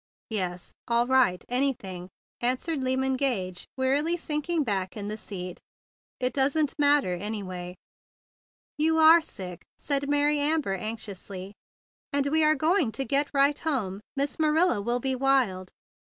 "Yes, all right, anything," answered Lyman Gage, wearily sinking back in the seat. "It doesn't matter, anyway." "You are sick!" said Mary Amber anxiously; "and we are going to get right home. Miss Marilla will be wild."